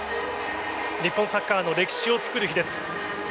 日本サッカーの歴史を作る日です。